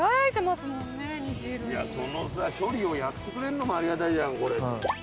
処理をやってくれんのもありがたいじゃんこれ。